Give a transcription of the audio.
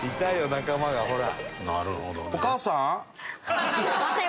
仲間がほら。